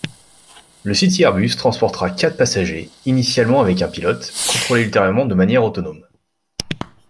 Le CityAirbus transportera quatre passagers, initialement avec un pilote, contrôlé ultérieurement de manière autonome.